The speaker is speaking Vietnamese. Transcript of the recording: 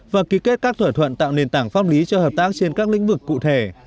và ký kết các thỏa thuận tạo nền tảng pháp lý cho hợp tác trên các lĩnh vực cụ thể